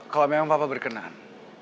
kalau memang papa berkenan